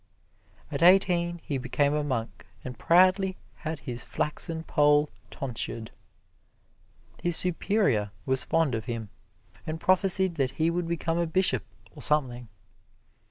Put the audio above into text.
At eighteen he became a monk and proudly had his flaxen poll tonsured. His superior was fond of him, and prophesied that he would become a bishop or something.